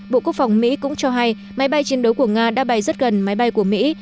bộ quốc phòng mỹ cũng cho hay máy bay chiến đấu của nga đã bay rất gần máy bay của mỹ